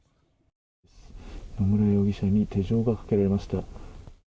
野村容疑者に手錠がかけられました。